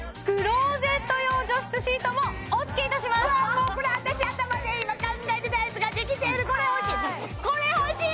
もうこれ私頭で今考えてたやつができてるこれ欲しいこれ欲しい！